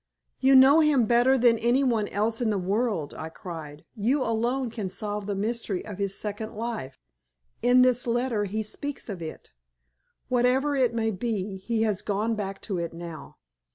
"You know him better than any one else in the world," I cried. "You alone can solve the mystery of his second life. In this letter he speaks of it. Whatever it may be, he has gone back to it now.